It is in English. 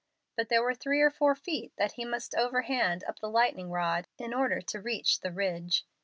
But there were three or four feet that he must overhand up the lightning rod in order to reach the ridge.